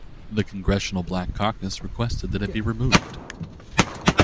The Congressional Black Caucus requested that it be removed.